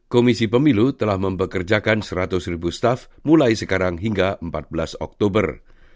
komisi pemilu telah mempekerjakan seratus ribu staff mulai sekarang hingga empat belas oktober